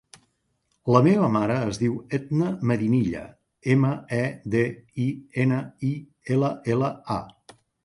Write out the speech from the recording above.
La meva mare es diu Edna Medinilla: ema, e, de, i, ena, i, ela, ela, a.